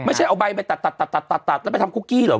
ไม่ใช่เอาใบไปตัดแล้วไปทำคุกกี้เหรอ